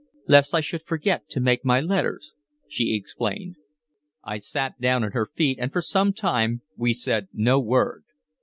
"Lest I should forget to make my letters," she explained. I sat down at her feet, and for some time we said no word.